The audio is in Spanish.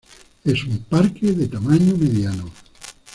Es un parque de tamaño mediano.